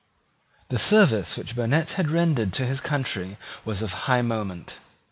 The service which Burnet had rendered to his country was of high moment.